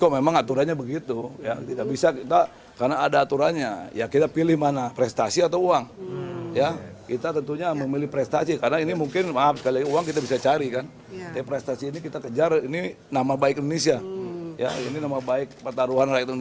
memang prestasi menurun apa gimana pak